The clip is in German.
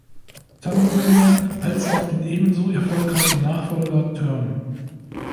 Tambourine Man" als auch den ebenso erfolgreichen Nachfolger "Turn!